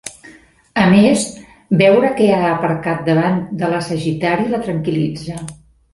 A més, veure que ha aparcat davant de la Sagitari la tranquil·litza.